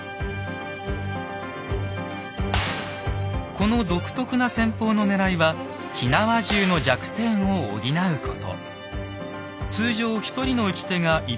この独特な戦法のねらいは火縄銃の弱点を補うこと。